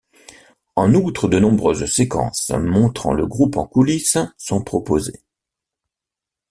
En outre, de nombreuses séquences montrant le groupe en coulisses sont proposées.